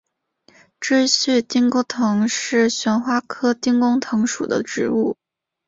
锥序丁公藤是旋花科丁公藤属的植物。